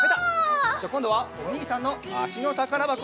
じゃこんどはおにいさんのあしのたからばこ。